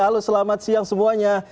halo selamat siang semuanya